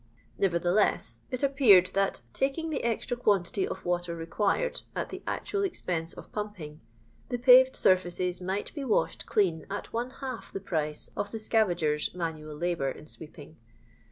Never theless, it appeared that, taking the extra quan tity of water required at the actual expense of pumping, the paved surfaces might be washed clean at one half the price of the scavagers' manual labour in sweeping.